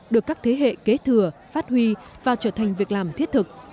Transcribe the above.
được các thế hệ kế thừa phát huy và trở thành việc làm thiết thực